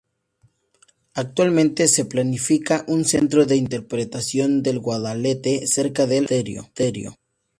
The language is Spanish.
Actualmente se planifica un Centro de Interpretación del Guadalete cerca del Monasterio.